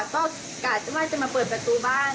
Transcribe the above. ก็กะว่าจะมาเปิดประตูบ้าน